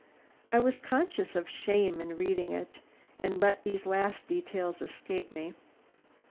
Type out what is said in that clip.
I was conscious of shame in reading it, and let these last details escape me.